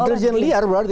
intelijen liar berarti